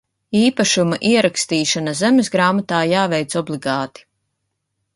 Īpašuma ierakstīšana zemesgrāmatā jāveic obligāti.